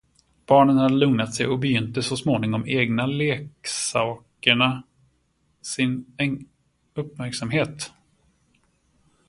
Barnen hade lugnat sig och begynte så småningom egna leksakerna sin uppmärksamhet.